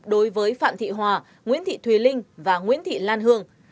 đối với phạm thị hòa nguyễn thị thùy linh và nguyễn thị lan hương